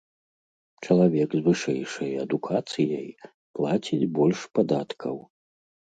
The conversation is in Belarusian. Чалавек з вышэйшай адукацыяй плаціць больш падаткаў.